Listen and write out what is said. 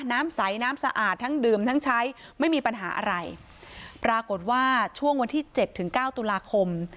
น้ำใสน้ำสะอาดทั้งดื่มทั้งใช้ไม่มีปัญหาอะไรปรากฏว่าช่วงวันที่เจ็ดถึงเก้าตุลาคม